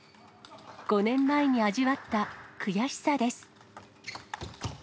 ５年前に味わった悔しさです。